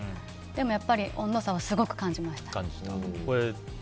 でも、やっぱり温度差はすごく感じました。